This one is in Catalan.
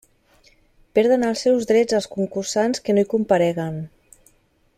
Perden els seus drets els concursants que no hi compareguen.